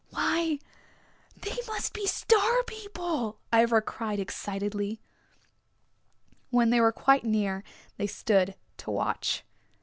"Why, they must be Star People," Ivra cried excitedly. When they were quite near they stood to watch.